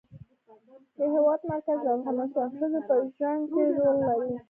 د هېواد مرکز د افغان ښځو په ژوند کې رول لري.